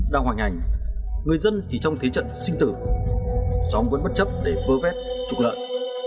đang hoành hành người dân chỉ trong thế trận sinh tử song vẫn bất chấp để vơ vét trục lợi